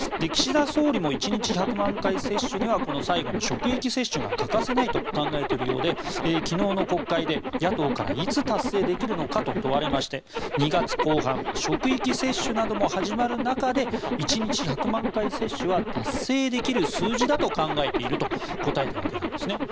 岸田総理も１日１００万回接種には最後の職域接種が欠かせないと考えているようで昨日の国会で野党からいつ達成できるのかと問われまして２月後半職域接種なども始まる中で１日１００万回接種は達成できる数字だと考えていると答えたわけです。